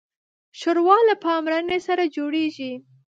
ښوروا له پاملرنې سره جوړیږي.